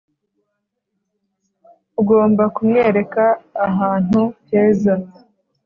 ugomba kumwereka ahantu heza